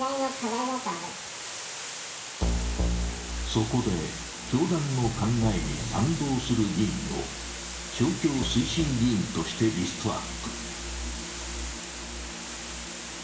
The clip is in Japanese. そこで、教団の考えに賛同する議員を勝共推進議員としてリストアップ。